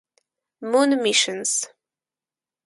Moon missions.